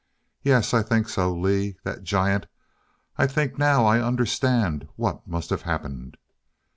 "Yes. I think so. Lee that giant, I think now I understand what must have happened."